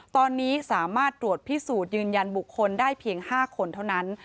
ตอนนี้สามารถตรวจพิสูจน์ยืนยันบุคคลได้เพียง๕คนเท่านั้น